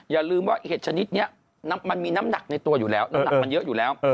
อย่าลืมว่าเห็ดชนิดนี้มันมีน้ำหนักในตัวอยู่แล้วน้ำหนักมันเยอะอยู่แล้ว